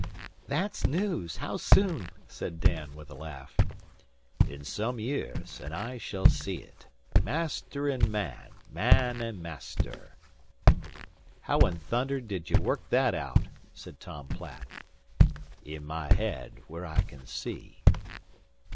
"That's news. Haow soon?" said Dan, with a laugh. "In some years, and I shall see it. Master and man man and master." "How in thunder d'ye work that out?" said Tom Platt. "In my head, where I can see."